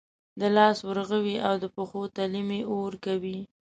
د لاسو ورغوي او د پښو تلې مې اور کوي